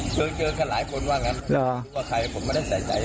เจอเจอกันหลายคนว่างั้นแล้วว่าใครผมไม่ได้ใส่ใจ